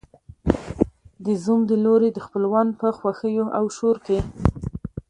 د زوم د لوري خپلوان په خوښیو او شور کې